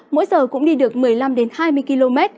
mỗi giờ cũng đi được một mươi năm đến hai mươi km